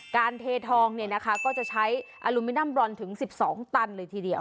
การเททองก็จะใช้อลูมินัมบรอนถึง๑๒ตันเลยทีเดียว